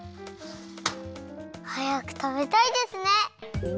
はやくたべたいですね。